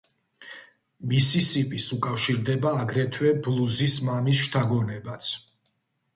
მისისიპის უკავშირდება აგრეთვე ბლუზის მამის შთაგონებაც.